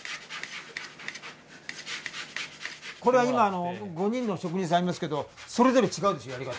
これ今５人の職人さんがいますけどそれぞれ違うでしょやり方。